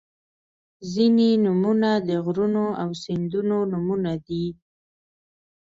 • ځینې نومونه د غرونو او سیندونو نومونه دي.